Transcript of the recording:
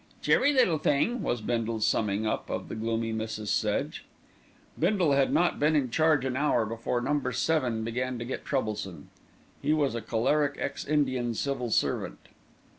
"Cheery little thing," was Bindle's summing up of the gloomy Mrs. Sedge. Bindle had not been in charge an hour before Number Seven began to get troublesome. He was a choleric ex Indian civil servant.